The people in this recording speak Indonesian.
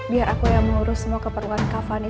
biar aku yang melurus semua keperluan kak fani